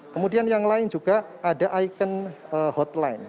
kemudian yang lain juga ada icon hotline